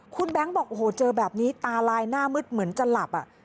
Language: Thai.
คุณแบงค์บอกโอ้โหเจอแบบนี้ตาลายหน้ามืดเหมือนจะหลับ